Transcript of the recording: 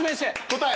答え